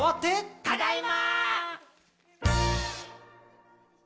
ただいま！